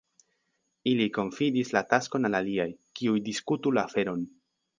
Ili konfidis la taskon al aliaj, kiuj diskutu la aferon.